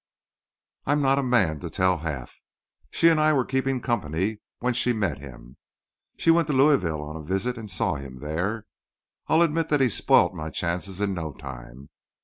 I'm not a man to tell half. She and I were keeping company when she met him. She went to Louisville on a visit and saw him there. I'll admit that he spoilt my chances in no time.